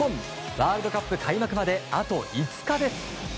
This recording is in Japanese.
ワールドカップ開幕まであと５日です。